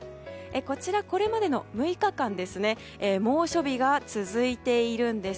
これまでの６日間猛暑日が続いているんです。